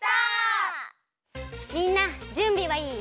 みんなじゅんびはいい？